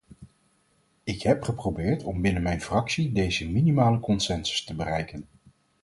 Ik heb geprobeerd om binnen mijn fractie deze minimale consensus te bereiken.